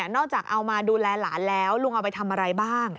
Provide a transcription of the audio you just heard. เอามาดูแลหลานแล้วลุงเอาไปทำอะไรบ้าง